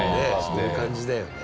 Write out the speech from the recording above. そういう感じだよね。